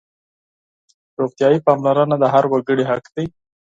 روغتیايي پاملرنه د هر وګړي حق دی.